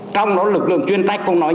trong đó lực lượng chuyên trách không nói